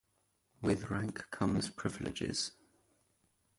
With rank comes privileges.